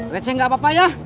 receh nggak apa apa ya